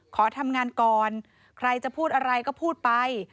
ขอทำงานก่อนใครจะพูดอะไรก็พูดไป